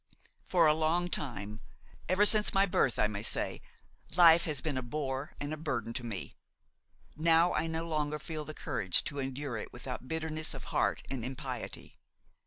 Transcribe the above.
For a long time, ever since my birth, I may say, life has been a bore and a burden to me; now I no longer feel the courage to endure it without bitterness of heart and impiety.